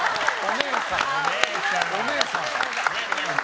お姉さん！